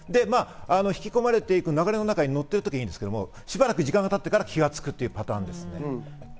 引き込まれていく流れの中に乗っている時はいいんですけど、しばらく時間が経ってから気づくというパターンです。